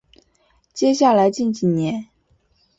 接下来近几年